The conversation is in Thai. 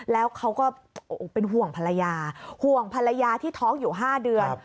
แล้วเขาก็เป็นห่วงภรรยาห่วงภรรยาที่ท้องอยู่๕เดือน